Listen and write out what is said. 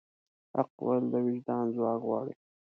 حق ویل د وجدان ځواک غواړي.